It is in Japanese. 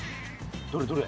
どれどれ？